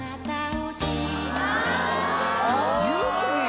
「ユーミン！？」